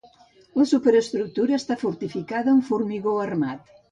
La superestructura està fortificada amb formigó armat.